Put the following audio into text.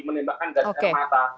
menembakkan gas air mata